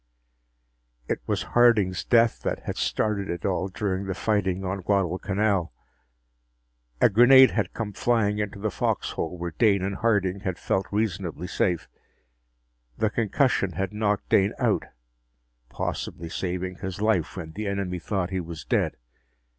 It was Harding's "death" that had started it all during the fighting on Guadalcanal. A grenade had come flying into the foxhole where Dane and Harding had felt reasonably safe. The concussion had knocked Dane out, possibly saving his life when the enemy thought he was dead.